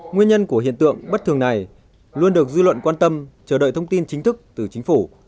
nguyên nhân của hiện tượng bất thường này luôn được dư luận quan tâm chờ đợi thông tin chính thức từ chính phủ